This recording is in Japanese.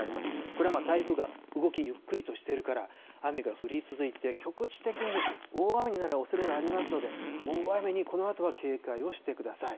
これは台風が動きゆっくりとしているから、雨が降り続いて、局地的に大雨になるおそれがありますので、大雨にこのあとは警戒をしてください。